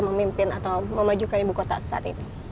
memimpin atau memajukan ibu kota aset